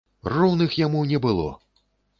Роўных яму не было!